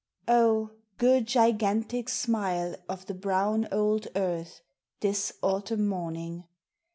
Oh, good gigantic smile o' the brown old earth, This autumn morning!